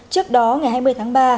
trước đó ngày hai mươi tháng ba